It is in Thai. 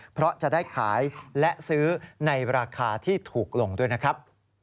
เพราะจะได้ขายและซื้อในราคาที่ถูกลงด้วยนะครับ